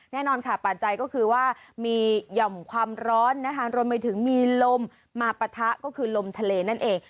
แน่นอนค่ะปัจจัยก็คือว่ามีหย่อมความร้อนนะคะรวมไปถึงมีลมมาปะทะก็คือลมทะเลนั่นเอง